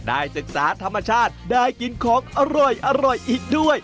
ได้ศึกษาธรรมชาติได้กินของอร่อยอีกด้วย